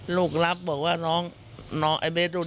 ลูกก็คิดว่าน้องกฎหรือเปล่า